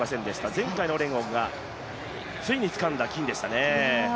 前回のオレゴンがついにつかんだ金でしたね。